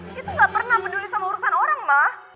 dia tuh gak pernah peduli sama urusan orang ma